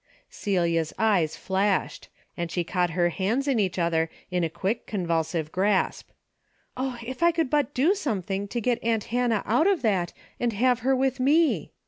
Celia's eyes flashed, and she caught her hands in each other in a quick convulsive grasp. " Oh, if I could but do something to get aunt Hannah out of that and have her with me